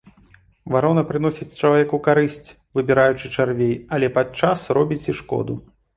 Варона прыносіць чалавеку карысць, выбіраючы чарвей, але падчас робіць і шкоду.